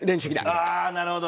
ああなるほど！